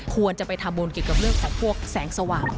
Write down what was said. ควรจะไปทำบุญเกี่ยวกับเรื่องของพวกแสงสว่าง